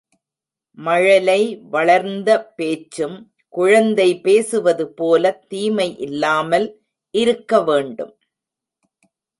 மழலை வளர்ந்த பேச்சும் குழந்தை பேசுவதுபோலத் தீமை இல்லாமல் இருக்க வேண்டும்.